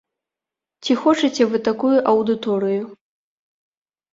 Ці хочаце вы такую аўдыторыю?